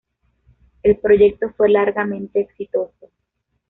El proyecto fue largamente exitoso.